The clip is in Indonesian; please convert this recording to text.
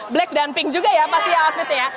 black dan pink juga ya pasti ya outfitnya ya